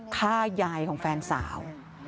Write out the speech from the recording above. ฆ่ายายของแฟนสาว